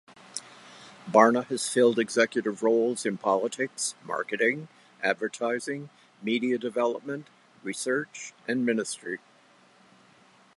Barna has filled executive roles in politics, marketing, advertising, media development, research and ministry.